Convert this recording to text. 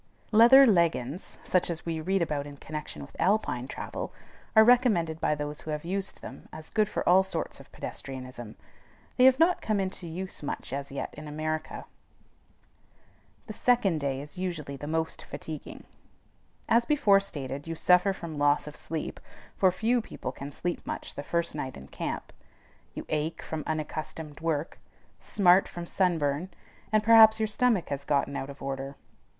Leather leggins, such as we read about in connection with Alpine travel, are recommended by those who have used them as good for all sorts of pedestrianism. They have not come into use much as yet in America. The second day is usually the most fatiguing. As before stated, you suffer from loss of sleep (for few people can sleep much the first night in camp), you ache from unaccustomed work, smart from sunburn, and perhaps your stomach has gotten out of order.